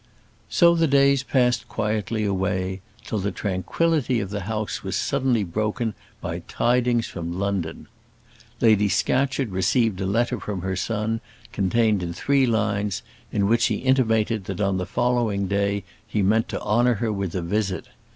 So the days passed quietly away till the tranquillity of the house was suddenly broken by tidings from London. Lady Scatcherd received a letter from her son, contained in three lines, in which he intimated that on the following day he meant to honour her with a visit.